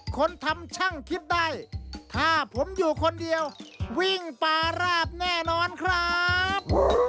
คนทำช่างคิดได้ถ้าผมอยู่คนเดียววิ่งปาราดแน่นอนครับ